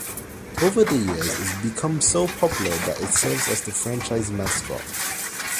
Over the years, it's become so popular that it serves as the franchise mascot.